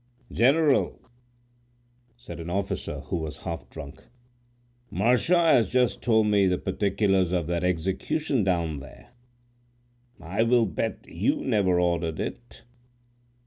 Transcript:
"General," said an officer, who was half drunk, "Marchand has just told me the particulars of that execution down there. I will bet you never ordered it."